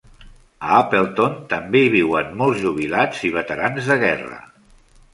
A Appleton també hi viuen molts jubilats i veterans de guerra.